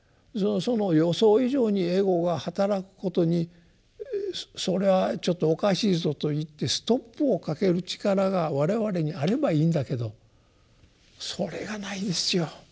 その予想以上にエゴがはたらくことにそれはちょっとおかしいぞといってストップをかける力が我々にあればいいんだけどそれがないんですよ